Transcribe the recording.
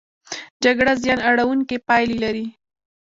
جګړه زیان اړوونکې پایلې لري.